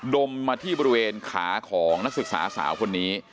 มมาที่บริเวณขาของนักศึกษาสาวคนนี้